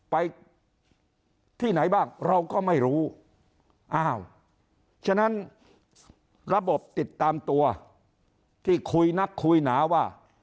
ไปที่ไหนบ้างเราก็ไม่รู้อ้าวฉะนั้นระบบติดตามตัวที่คุยนักคุยหนาว่า